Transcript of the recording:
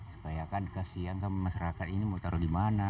supaya kan kasian kan masyarakat ini mau taruh di mana